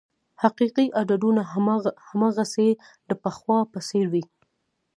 حقیقي عددونه هماغسې د پخوا په څېر وې.